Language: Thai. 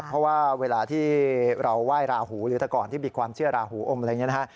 เพราะว่าเวลาที่เราไหว้ราหูหรือแต่ก่อนที่มีความเชื่อราหูอมอะไรอย่างนี้นะฮะ